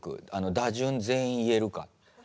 打順全員言えるか。